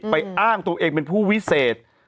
อ้างตัวเองเป็นผู้วิเศษ